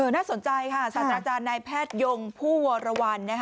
น่าสนใจค่ะสัตว์อาจารย์นายแพทยงผู้วรวรรณ